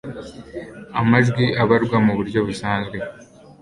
amajwi abarwa mu buryo busanzwe